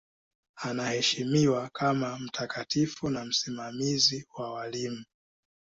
Anaheshimiwa kama mtakatifu na msimamizi wa walimu.